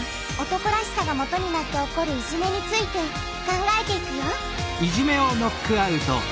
「男らしさ」がもとになって起こる「いじめ」について考えていくよ